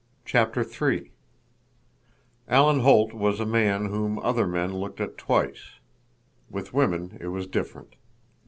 CHAPTER III Alan Holt was a man whom other men looked at twice. With women it was different.